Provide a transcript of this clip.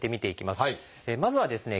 まずはですね